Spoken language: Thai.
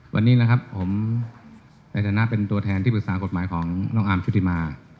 วันนี้นะครับผมในฐานะเป็นตัวแทนที่ปรึกษากฎหมายของน้องอาร์มชุติมา